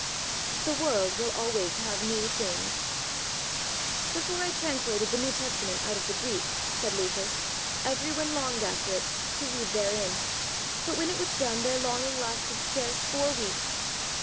The World will always have new Things. Before I translated the New Testament out of the Greek, said Luther, every one longed after it, to read therein, but when it was done their longing lasted scarce four weeks.